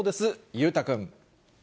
裕太君。